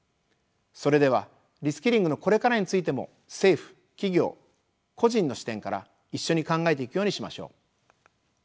それではリスキリングのこれからについても政府・企業・個人の視点から一緒に考えていくようにしましょう。